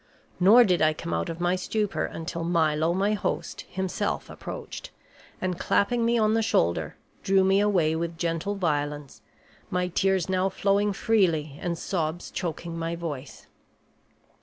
Nor did I come out of my stupor until Milo, my host, himself approached and clapping me on the shoulder, drew me away with gentle violence, my tears now flowing freely and sobs choking my voice.